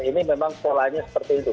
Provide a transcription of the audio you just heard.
ini memang polanya seperti itu